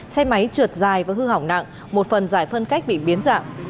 xe máy trượt dài và hư hỏng nặng một phần giải phân cách bị biến dạng